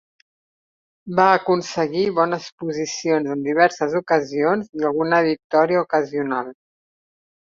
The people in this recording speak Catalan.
Va aconseguir bones posicions en diverses ocasions i alguna victòria ocasional.